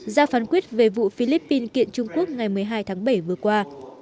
ra phán quyết về vụ philippines kiện trung quốc ngày một mươi hai tháng bảy vừa qua